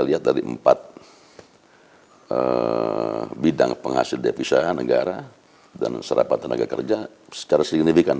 lihat tadi empat bidang penghasil daya wisata negara dan serapan tenaga kerja secara signifikan